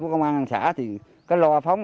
của công an xã thì cái loa phóng